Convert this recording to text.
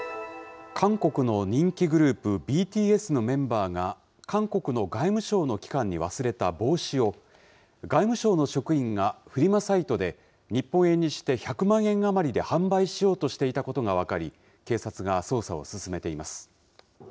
韓国の人気グループ、ＢＴＳのメンバーが韓国の外務省の機関に忘れた帽子を、外務省の職員がフリマサイトで日本円にして１００万円余りで販売しようとしていたことが分かり、警察が捜査を進めています。